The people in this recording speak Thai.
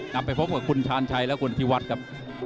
นำไปพบกับคุณชาญชัยและคุณพิวัฒน์ครับ